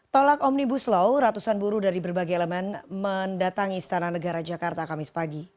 tolak omnibus law ratusan buruh dari berbagai elemen mendatangi istana negara jakarta kamis pagi